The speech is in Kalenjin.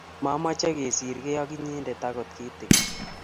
Mameche kisiri gei ak inyete agot kitege